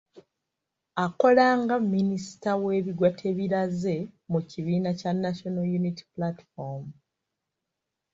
Akola nga Minisita w'ebigwabitalaze mu kibiina kya National Unity Platform.